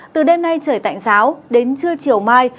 từ đêm nay trời tạnh giáo đến trưa chiều mai